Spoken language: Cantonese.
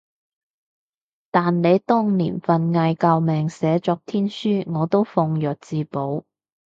但你當年份嗌救命寫作天書，我都奉若至寶